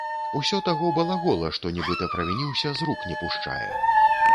Усё таго балагола, што нібыта правініўся, з рук не пушчае.